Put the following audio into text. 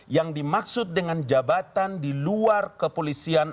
yang dimaksud dengan jabatan di luar kepolisian